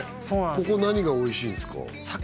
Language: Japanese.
ここ何がおいしいんですか？